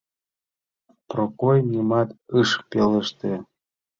Прокой нимат ыш пелеште.